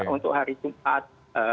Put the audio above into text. untuk hari jumat